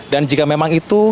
dan jika memang itu